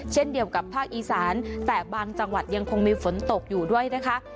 เช่นเดียวกับภาคอีสานแต่บางจังหวัดยังคงมีฝนตกอยู่ด้วยนะคะ